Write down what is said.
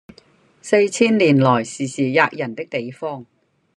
四千年來時時喫人的地方，